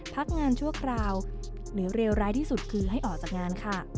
พักงานชั่วคราวหรือเลวร้ายที่สุดคือให้ออกจากงานค่ะ